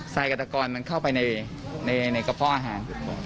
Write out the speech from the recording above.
สายกระตะกรอนเข้าไปในกระเพาะอาหาร